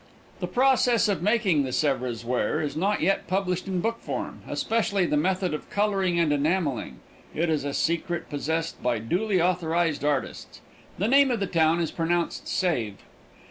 The process of making the Sèvres ware is not yet published in book form, especially the method of coloring and enameling. It is a secret possessed by duly authorized artists. The name of the town is pronounced Save.